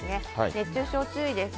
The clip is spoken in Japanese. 熱中症、注意です。